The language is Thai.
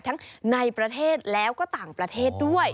ทั้งในประเทศแล้วก็ต่างประเทศด้วย